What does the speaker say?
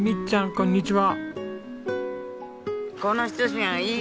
こんにちは。